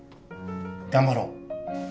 頑張ろう。